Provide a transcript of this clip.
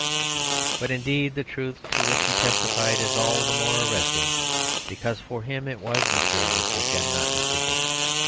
But indeed the truth to which he testified is all the more arresting, because for him it was materialistic and not mystical.